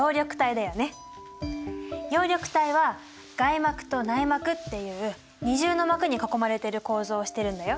葉緑体は外膜と内膜っていう二重の膜に囲まれてる構造をしてるんだよ。